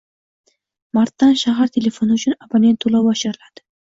Martdan shahar telefoni uchun abonent toʻlovi oshiriladi.